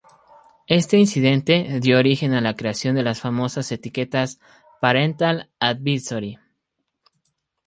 Este incidente dio origen a la creación de las famosas etiquetas "Parental Advisory".